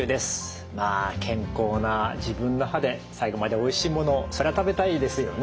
まあ健康な自分の歯で最後までおいしいものをそりゃ食べたいですよね。